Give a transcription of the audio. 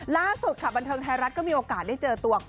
ล่าสุดค่ะบันเทิงไทยรัฐก็มีโอกาสได้เจอตัว